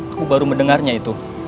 aku baru mendengarnya itu